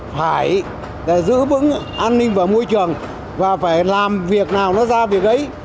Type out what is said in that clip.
phải giữ vững an ninh và môi trường và phải làm việc nào nó ra việc ấy